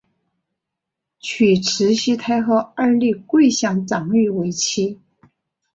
娶慈禧太后二弟桂祥长女为妻。